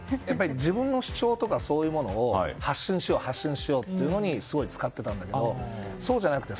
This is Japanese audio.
自分の主張とかそういうものを発信しようっていうのにすごい使っていたんだけどそうじゃなくて。